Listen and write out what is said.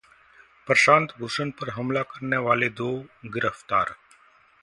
प्रशांत भूषण पर हमला करने वाले दो गिरफ्तार